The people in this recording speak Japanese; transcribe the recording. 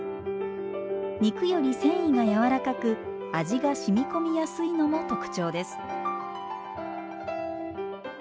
肉より繊維がやわらかく味がしみ込みやすいのも特徴です。